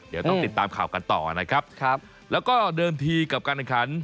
เดี๋ยวต้องติดตามข่าวกันต่อนะครับครับแล้วก็เดิมทีกับการแข่งขัน